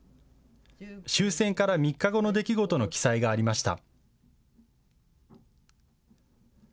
終戦から３日後の出来事の記載がありました。